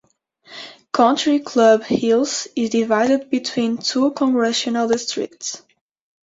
Country Club Hills is divided between two congressional districts.